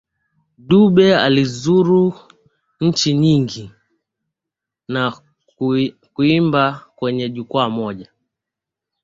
Dube alizuru nchi nyingi na kuimba kwenye jukwaa moja